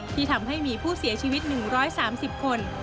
ที่ทำให้มีผู้เสียชีวิต๑๓๐คน